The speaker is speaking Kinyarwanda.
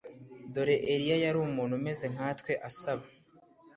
dore eliya yari umuntu umeze nkatwe asaba